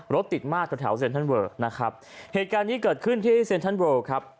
รถติดมากแถวแถวเซ็นทรัลเวอร์นะครับเหตุการณ์นี้เกิดขึ้นที่เซ็นทรัลเวิลครับ